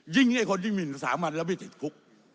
ยิงไอ้คนที่มีสถาบันแล้วไม่ถิดคุก